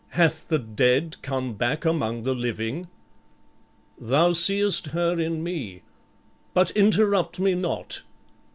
Hath the dead come back among the living?" "Thou seest her in me. But interrupt me not.